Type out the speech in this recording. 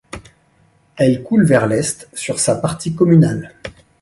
Elle coule vers l'est sur sa partie communale.